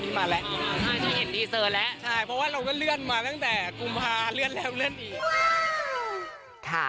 นี่เห็นดีเซอร์แล้วใช่เพราะว่าเราก็เลื่อนมาตั้งแต่กุมภาเลื่อนแล้วเลื่อนอีก